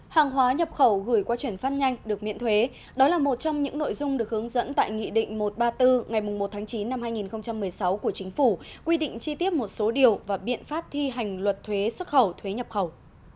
hàng hóa nhập khẩu gửi qua chuyển phát nhanh được miễn thuế đó là một trong những nội dung được hướng dẫn tại nghị định một trăm ba mươi bốn ngày một tháng chín năm hai nghìn một mươi sáu của chính phủ quy định chi tiết một số điều và biện pháp thi hành luật thuế xuất khẩu thuế nhập khẩu